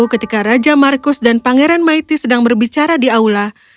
ketika raja markus dan pangeran maiti sedang berbicara di aula